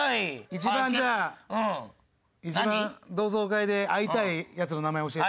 一番じゃあ一番同窓会で会いたいヤツの名前教えて。